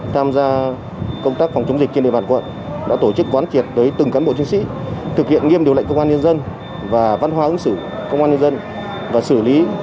thậm chí là chống đối người thi hành công vụ